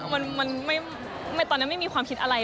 มันตอนนั้นไม่มีความคิดอะไร